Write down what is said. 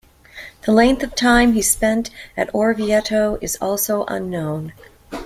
The length of time he spent at Orvieto is also unknown.